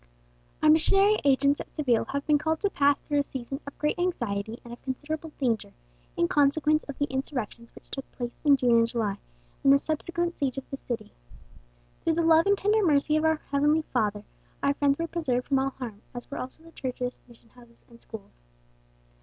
"Our missionary agents at Seville have been called to pass through a season of great anxiety and of considerable danger, in consequence of the insurrections which took place in June and July, and the subsequent siege of the city. Through the love and tender mercy of our Heavenly Father, our friends were preserved from all harm, as were also the churches, mission houses, and schools."